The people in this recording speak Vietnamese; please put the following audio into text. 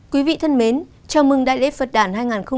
quý vị thân mến chào mừng đại lễ phật đàn hai nghìn hai mươi bốn